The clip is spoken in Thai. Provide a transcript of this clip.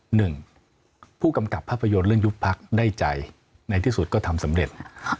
หนึ่งผู้กำกับภาพยนตร์เรื่องยุบพักได้ใจในที่สุดก็ทำสำเร็จ